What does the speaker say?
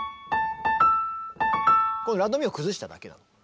このラドミを崩しただけなの。